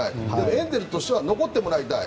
エンゼルスとしては残ってもらいたい。